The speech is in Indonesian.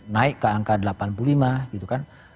naik ke angka delapan puluh lima gitu kan